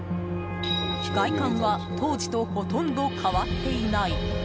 外観は当時とほとんど変わっていない。